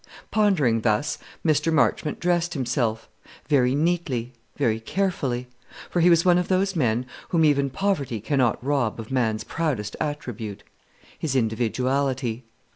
Pondering thus, Mr. Marchmont dressed himself, very neatly, very carefully; for he was one of those men whom even poverty cannot rob of man's proudest attribute, his individuality.